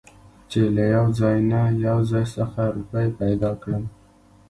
چې له يوه ځاى نه يو ځاى خڅه روپۍ پېدا کړم .